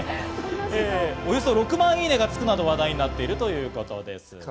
およそ６万いいねがつくなど、話題になっています。